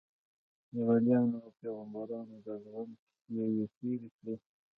د وليانو او پيغمبرانو د زغم کيسې يې تېرې کړې.